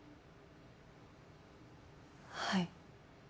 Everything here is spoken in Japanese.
はい。